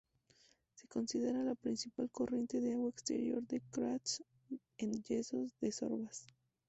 Se considera la principal corriente de agua exterior del karst en Yesos de Sorbas.